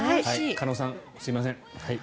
鹿野さん、すみません。